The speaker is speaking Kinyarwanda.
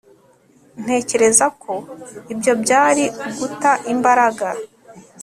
Ntekereza ko ibyo byari uguta imbaraga